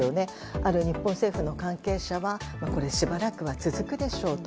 ある日本政府の関係者はこれ、しばらくは続くでしょうと。